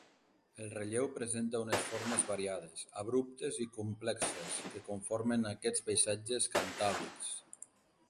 El relleu presenta unes formes variades, abruptes i complexes que conformen aquests paisatges cantàbrics.